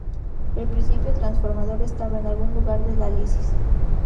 El principio transformador estaba en algún lugar de la lisis.